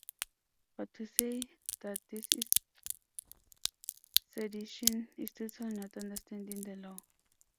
But to say that this is sedition is totally not understanding the law.